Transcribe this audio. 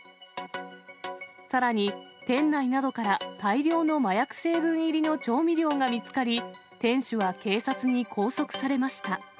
さらに、店内などから大量の麻薬成分入りの調味料が見つかり、店主は警察に拘束されました。